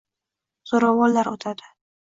Zo‘ravonlar o‘tadi